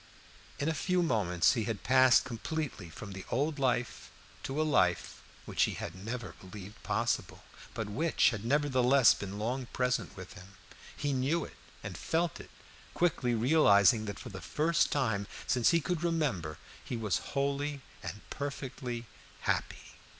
In a few moments he had passed completely from the old life to a life which he had never believed possible, but which had nevertheless been long present with him. He knew it and felt it, quickly realizing that for the first time since he could remember he was wholly and perfectly happy.